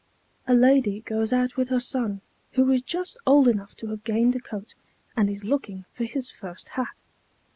A lady goes out with her son, who is just old enough to have gained a coat, and is looking for his first hat.